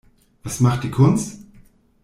Was macht die Kunst?